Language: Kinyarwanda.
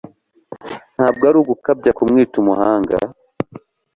Ntabwo ari ugukabya kumwita umuhanga.